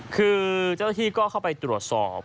คือเจ้าหน้าที่ก็เข้าไปตรวจสอบ